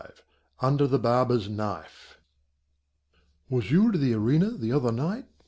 Under the Barber's Knife_ "WAS you to the Arena the other night?"